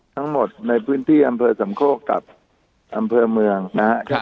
ทั้งหมดในพื้นที่อำเภอสำโคกกับอำเภอเมืองนะครับ